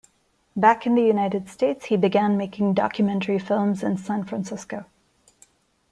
Back in the United States, he began making documentary films in San Francisco.